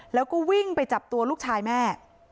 แล้วก็วิ่งไปจับตัวลูกชายแม่